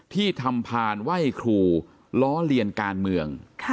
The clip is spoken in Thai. ที่ทำพานไหว้ครูล้อเลียนการเมือง